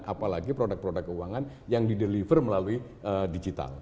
apalagi produk produk keuangan yang dideliver melalui digital